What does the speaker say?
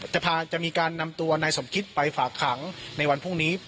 แต่พาจะมีการนำตัวนายสมคิตไปฝากขังในวันพรุ่งนี้